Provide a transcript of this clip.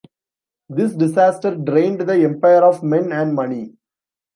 This disaster drained the Empire of men and money.